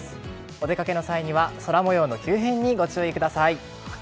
お出かけの際には空模様の急変にご注意ください。